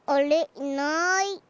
いない。